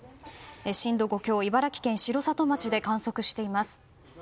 震度５強茨城県城里町で観測しています。